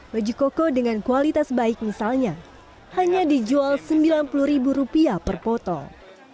baju koko dengan kualitas baik misalnya hanya dijual rp sembilan puluh per potong